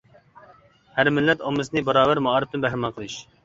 ھەر مىللەت ئاممىسىنى باراۋەر مائارىپتىن بەھرىمەن قىلىش.